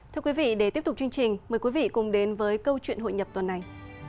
thưa quý vị để tiếp tục chương trình mời quý vị cùng đến với câu chuyện hội nhập tuần này